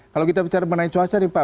kalau kita bicara mengenai cuaca nih pak